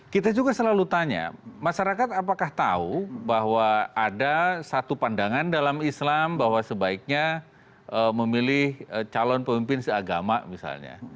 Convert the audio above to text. kita juga selalu tanya masyarakat apakah tahu bahwa ada satu pandangan dalam islam bahwa sebaiknya memilih calon pemimpin seagama misalnya